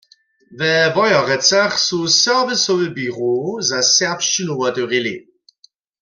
We Wojerecach su serwisowy běrow za serbšćinu wotewrěli.